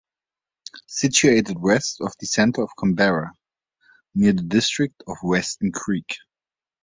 Situated west of the centre of Canberra, near the district of Weston Creek.